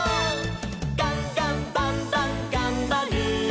「ガンガンバンバンがんばる！」